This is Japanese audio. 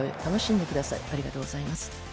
ありがとうございます。